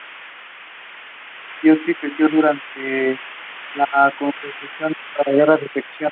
Actualmente es usado por equipos juveniles para practicar diversos deportes.